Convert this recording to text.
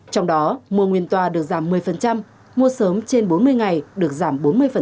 trong đó mua nguyên tòa được giảm một mươi mua sớm trên bốn mươi ngày được giảm bốn mươi